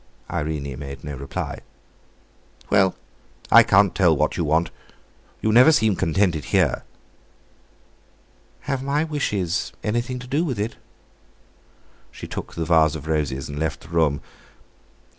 Irene made no reply. "Well, I can't tell what you want. You never seem contented here." "Have my wishes anything to do with it?" She took the vase of roses and left the room.